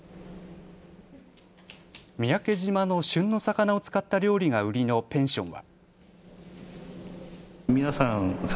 三宅島の旬の魚を使った料理が売りのペンションは。